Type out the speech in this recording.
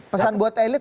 pesan buat elit